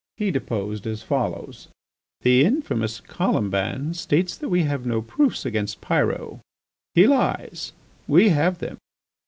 He deposed as follows: "The infamous Colomban states that we have no proofs against Pyrot. He lies; we have them.